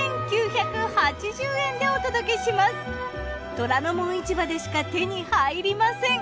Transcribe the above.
『虎ノ門市場』でしか手に入りません！